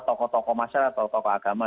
tokoh tokoh masyarakat tokoh agama